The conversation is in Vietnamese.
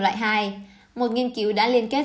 loại hai một nghiên cứu đã liên kết